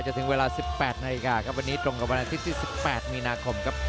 จะถึงเวลาสิบแปดนาฬิกาครับวันนี้ตรงกับวันอาทิตย์สิบแปดมีนาคมครับ